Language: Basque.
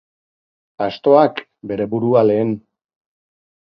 Astoak bere burua lehen